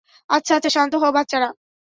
আচ্ছা, আচ্ছা, শান্ত হও, বাচ্চারা।